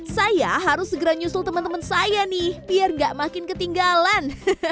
saya harus segera nyusul teman teman saya nih biar gak makin ketinggalan